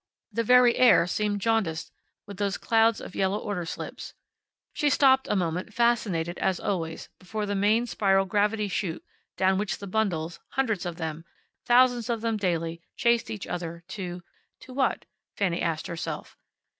The very air seemed jaundiced with those clouds of yellow order slips. She stopped a moment, fascinated as always before the main spiral gravity chute down which the bundles hundreds of them, thousands of them daily chased each other to to what? Fanny asked herself.